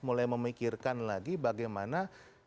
mulai memikirkan lagi bagaimana